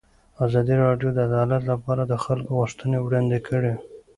ازادي راډیو د عدالت لپاره د خلکو غوښتنې وړاندې کړي.